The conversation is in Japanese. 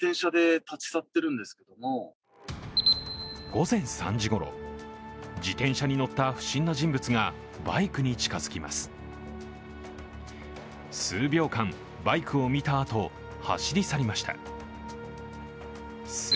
午前３時ごろ自転車に乗った不審な人物がバイクに近づきます。